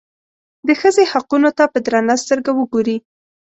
د ښځې حقونو ته په درنه سترګه وګوري.